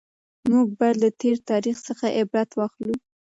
موږ باید له تېر تاریخ څخه عبرت واخلو.